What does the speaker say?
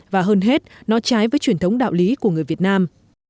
và hơn hết nó trái với truyền thống đạo lý của người việt nam